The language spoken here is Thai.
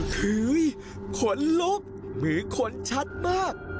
คือขนลุกมือขนชัดมาก